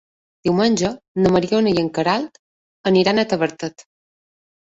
Diumenge na Mariona i na Queralt aniran a Tavertet.